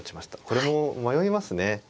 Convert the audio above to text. これも迷いますね。